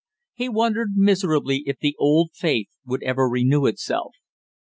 He wondered miserably if the old faith would ever renew itself.